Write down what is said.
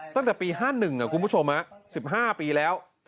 ตั้งแต่ปี๕๑อ่ะคุณผู้ชมสิบห้าปีแล้ว